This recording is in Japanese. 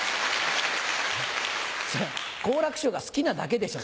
好楽師匠が好きなだけでしょ。